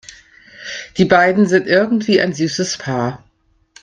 Die beiden sind irgendwie ein süßes Paar.